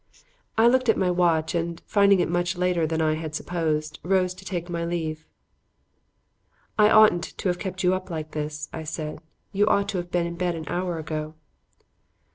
I looked at my watch and, finding it much later than I had supposed, rose to take my leave. "I oughtn't to have kept you up like this," I said. "You ought to have been in bed an hour ago."